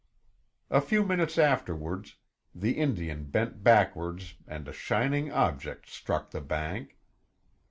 A few minutes afterwards, the Indian bent backwards and a shining object struck the bank.